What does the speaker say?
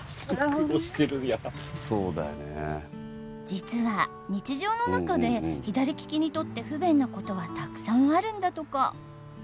実は日常の中で左利きにとって不便なことはたくさんあるんだとか。